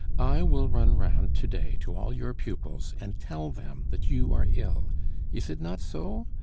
I will run round to day to all your pupils and tell them that you are ill; is it not so?